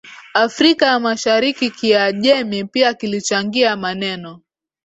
Afrika ya Mashariki Kiajemi pia kilichangia maneno